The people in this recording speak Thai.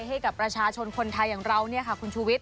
ให้กับประชาชนคนไทยอย่างเราเนี่ยค่ะคุณชูวิทย